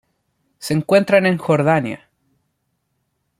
Se encuentra en Jordania.